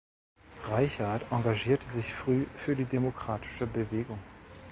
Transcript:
Reichard engagierte sich früh für die demokratische Bewegung.